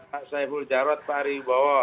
pak saiful jarod pak arief bawa